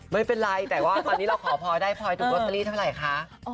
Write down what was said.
ไม่เป็นไรแต่ว่าตอนนี้เราขอพลอยได้พลอยถูกลอตเตอรี่เท่าไหร่คะ